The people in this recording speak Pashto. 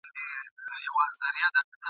هر ناحق ته حق ویل دوی ته آسان وه ..